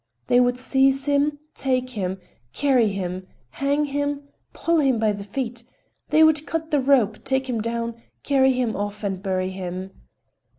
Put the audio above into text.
They would seize him, take him, carry him, hang him, pull him by the feet. They would cut the rope, take him down, carry him off and bury him.